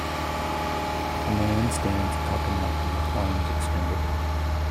A man stands atop a mountain with arms extended.